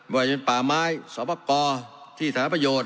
ว่าจะเป็นป่าไม้สอบประกอบที่สถานประโยชน์